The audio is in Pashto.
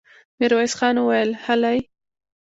ميرويس خان وويل: هلئ!